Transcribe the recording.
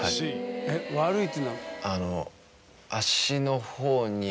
悪いっていうのは？